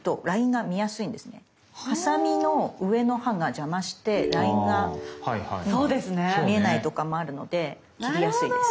ハサミの上の刃が邪魔してラインが見えないとかもあるので切りやすいです。